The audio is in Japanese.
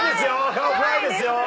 顔怖いですよ！